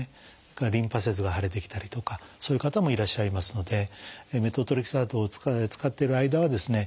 それからリンパ節が腫れてきたりとかそういう方もいらっしゃいますのでメトトレキサートを使ってる間はですね